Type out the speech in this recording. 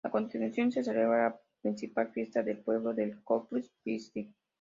A continuación se celebra la principal fiesta del pueblo, el Corpus Christi.